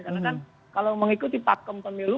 karena kan kalau mengikuti pak kompon milu